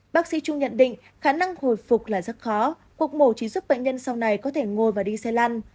bác sĩ trung nhận định khả năng hồi phục là rất khó cuộc mổ chỉ giúp bệnh nhân sau này có thể ngồi và đi xe lăn